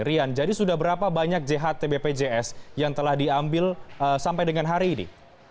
rian jadi sudah berapa banyak jht bpjs yang telah diambil sampai dengan hari ini